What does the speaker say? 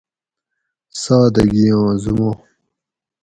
سادگیاں زُمان